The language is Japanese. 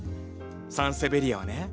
サンセベリアはね